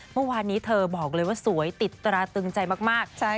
เมื่อวานนี้เธอบอกเลยว่าสวยติดตราตึงใจมาก